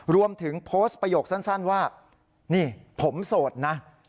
รวมถึงโพสต์ประโยคสั้นว่านี่ผมโสดนะ